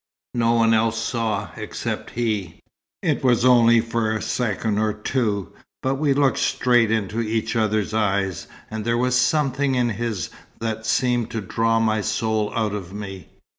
No one else saw, except he. It was only for a second or two, but we looked straight into each other's eyes; and there was something in his that seemed to draw my soul out of me.